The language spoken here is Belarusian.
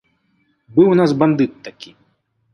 Быў у нас бандыт такі.